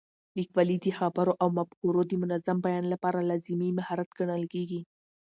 لیکوالی د خبرو او مفکورو د منظم بیان لپاره لازمي مهارت ګڼل کېږي.